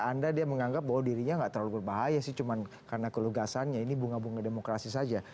anda dia menganggap bahwa dirinya nggak terlalu berbahaya sih cuma karena kelugasannya ini bunga bunga demokrasi saja